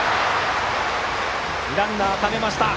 ランナーためました。